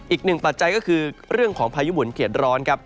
อีกหนึ่งปัจจัยก็คือเรื่องของพยุหมุนเขียดร้อน